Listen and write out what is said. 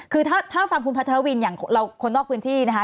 คือถ้าฟังคุณพัทรวินอย่างเราคนนอกพื้นที่นะคะ